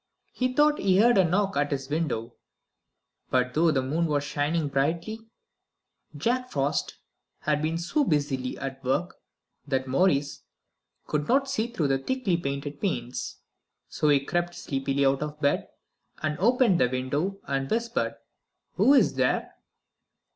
He thought he heard a knock at his window; but though the moon was shining brightly, Jack Frost had been so busily at work that Maurice could not see through the thickly painted panes. So he crept sleepily out of bed, and opened the window, and whispered: "Who is there?"